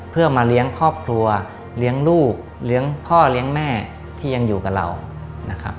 เพื่อมาเลี้ยงครอบครัวเลี้ยงลูกเลี้ยงพ่อเลี้ยงแม่ที่ยังอยู่กับเรานะครับ